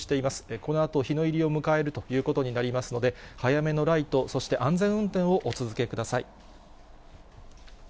このあと日の入りを迎えるということになりますので、早めのライト、そして安全運転をお続けください。